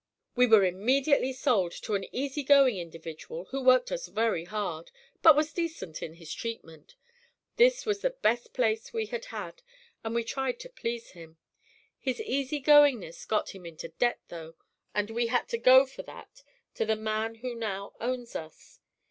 "We were immediately sold to an easy going individual who worked us very hard, but was decent in his treatment. This was the best place we had had, and we tried to please him. His easy goingness got him into debt, though, and we had to go for that to the man who now owns us.